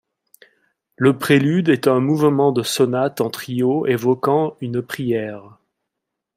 Le prélude est un mouvement de sonate en trio évoquant une prière.